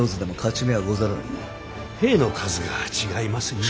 兵の数が違いますゆえ。